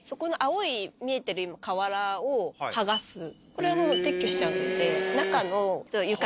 これはもう撤去しちゃうので。